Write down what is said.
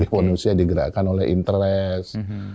manusia digerakkan oleh interest